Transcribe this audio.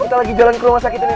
kita lagi jalan ke rumah sakit ini